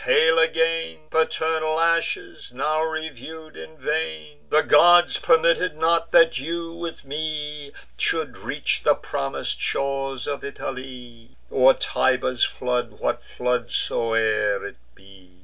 hail again, Paternal ashes, now review'd in vain! The gods permitted not, that you, with me, Should reach the promis'd shores of Italy, Or Tiber's flood, what flood soe'er it be."